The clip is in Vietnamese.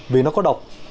vì nó có độc